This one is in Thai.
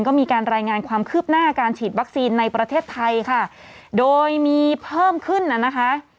ก็มีการรายงานความคืบหน้าการฉีดวัคซีนในประเทศไทยค่ะโดยมีเพิ่มขึ้นน่ะนะคะ